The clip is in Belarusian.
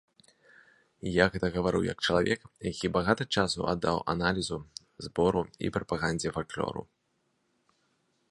Я гэта гавару як чалавек, які багата часу аддаў аналізу, збору і прапагандзе фальклору.